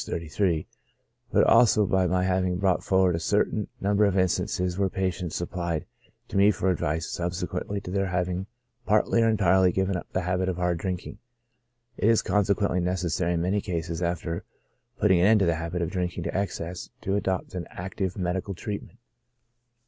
33,) but also by my having brought forward a certain number of instances where patients ap plied to me for advice subsequently to their having partly or entirely given up the habit of hard drinking. It is consequently necessary in many cases, after putting an end to the habit of drinking to excess, to adopt an active medical treat ment.